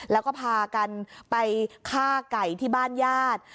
แล้วก็พากันไปฆ่าไก่ที่บ้านญาติ